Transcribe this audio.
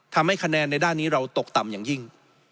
ทำให้คะแนนในด้านนี้เราตกต่ำอย่างยิ่ง